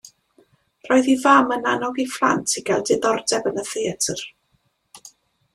Roedd ei fam yn annog ei phlant i gael diddordeb yn y theatr.